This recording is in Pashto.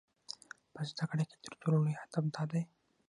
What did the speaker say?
په زده کړه کې تر ټولو لوی هدف دا دی.